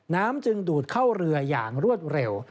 น้ำจึงดูดเข้าเรืออย่างรวดเร็ว